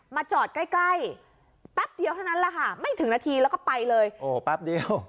จอดใกล้ใกล้แป๊บเดียวเท่านั้นแหละค่ะไม่ถึงนาทีแล้วก็ไปเลยโอ้แป๊บเดียว